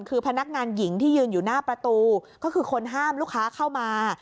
คือพนักงานหญิงที่ยืนอยู่หน้าประตูก็คือคนห้ามลูกค้าเข้ามา